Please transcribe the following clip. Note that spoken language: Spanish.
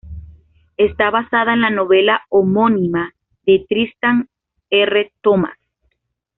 Está basada en la novela homónima de Trisha R. Thomas.